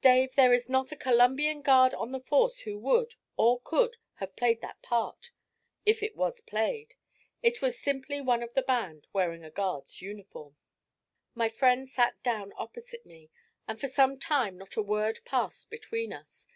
'Dave, there is not a Columbian guard on the force who would, or could, have played that part if it was played. It was simply one of the band wearing a guard's uniform.' My friend sat down opposite me, and for some time not a word passed between us.